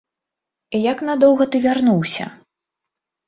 І як надоўга ты вярнуўся?